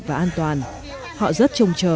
và an toàn họ rất chồng chờ